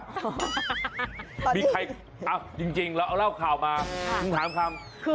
ตอนนี้มีใครอ้าวจริงเราเอาเล่าข่าวมาคุณถามคือ